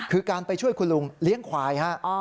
คือการไปช่วยคุณลุงเลี้ยงควายฮะ